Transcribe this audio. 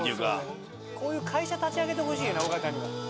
こういう会社立ち上げてほしいよな尾形には。